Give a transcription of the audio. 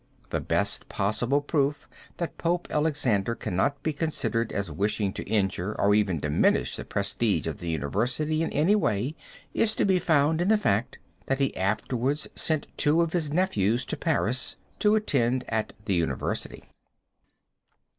The best possible proof that Pope Alexander cannot be considered as wishing to injure or even diminish the prestige of the University in any way, is to be found in the fact that he afterwards sent two of his nephews to Paris to attend at the University.